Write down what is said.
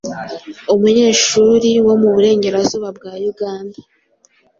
umunyeshuri wo mu Burengerazuba bwa Uganda